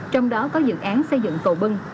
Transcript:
trong đó có dự án xây dựng cầu bưng